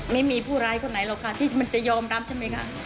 ไม่มีผู้ร้ายคนไหนหรอกค่ะที่มันจะยอมรับใช่ไหมคะ